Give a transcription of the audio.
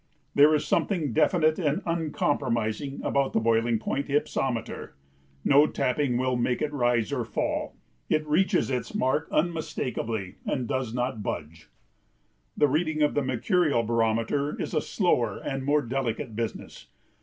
There is something definite and uncompromising about the boiling point hypsometer; no tapping will make it rise or fall; it reaches its mark unmistakably and does not budge. The reading of the mercurial barometer is a slower and more delicate business.